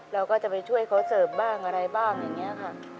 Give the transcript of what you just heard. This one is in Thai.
เราก็จะไปช่วยเขาเสิร์ฟบ้างอะไรบ้างอย่างนี้ค่ะ